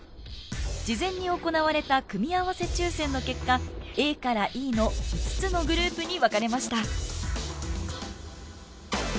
事前に行われた組み合わせ抽選の結果ＡからＥの５つのグループに分かれました。